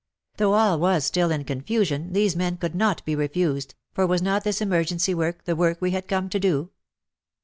Though all was still in confusion, these men could not be refused, for was not this emergency work the work we had come to do?